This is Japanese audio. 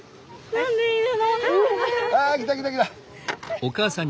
何でいるの？